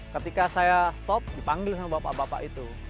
ketika saya stop dipanggil sama bapak bapak itu